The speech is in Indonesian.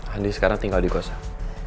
andi sekarang tinggal di kosong